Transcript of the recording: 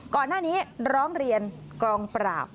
ก่อนหน้านี้ร้องเรียนกองปราบ